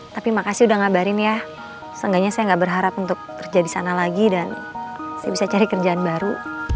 tapi makasih udah ngabarin ya seenggaknya saya gak berharap untuk kerja di sana lagi dan saya bisa cari kerjaan baru